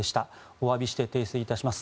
おわびして訂正します。